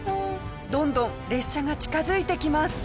どんどん列車が近づいてきます。